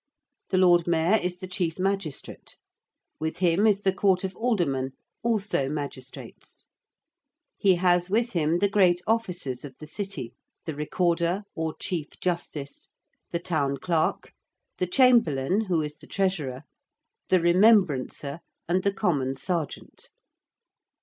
The Lord Mayor is the chief magistrate. With him is the Court of Aldermen, also magistrates. He has with him the great officers of the City: the Recorder, or Chief Justice; the Town Clerk; the Chamberlain, who is the Treasurer; the Remembrancer; and the Common Sergeant.